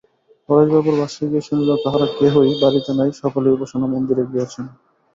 পরেশবাবুর বাসায় গিয়া শুনিল তাঁহারা কেহই বাড়িতে নাই, সকলেই উপাসনা-মন্দিরে গিয়াছেন।